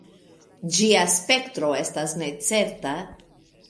Ĝia spektro estas necerta.